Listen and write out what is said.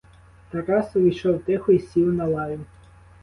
Тарас увійшов тихо й сів на лаві.